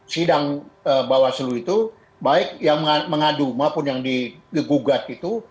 sidang bawaslu itu baik yang mengadu maupun yang digugat itu